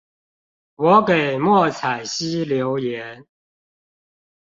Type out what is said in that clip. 我給莫彩曦留言